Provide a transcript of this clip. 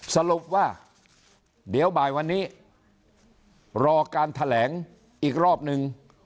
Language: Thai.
สรุปว่าเดี๋ยวบ่ายวันนี้รอการแถลงอีกรอบนึง